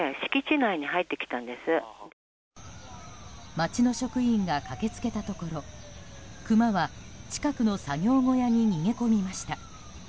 町の職員が駆け付けたところクマは、近くの作業小屋に逃げ込みました。